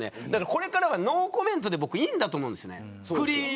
これからはノーコメントでいいんだと思うんです。